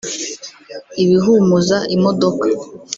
ibihumuza imodoka